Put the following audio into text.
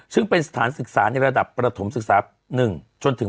ซึ่งเป็นสถานศึกษาในระดับประถมศึกษา๑จนถึง